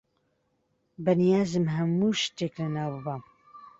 بەنیازم هەموو شتێک لەناو ببەم.